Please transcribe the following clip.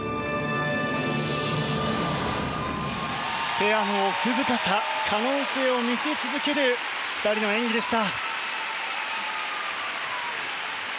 ペアの奥深さ、可能性を見せ続ける２人の演技でした。